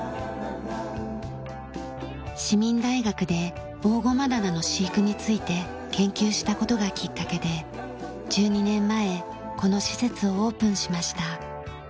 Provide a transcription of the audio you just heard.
市民大学でオオゴマダラの飼育について研究した事がきっかけで１２年前この施設をオープンしました。